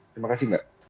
terima kasih mbak